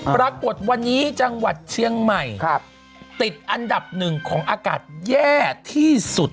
ปรากฏวันนี้จังหวัดเชียงใหม่ติดอันดับหนึ่งของอากาศแย่ที่สุด